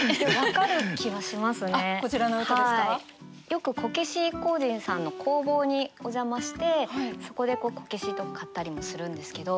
よくこけし工人さんの工房にお邪魔してそこでこけしとか買ったりもするんですけど。